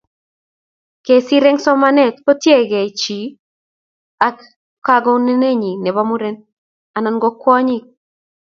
Kesir eng somanetab kotiegei chi ak kaguiyenyi ngo muren anan ko kwonyik